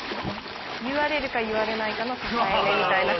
言われるか言われないかの境目みたいな感じかな。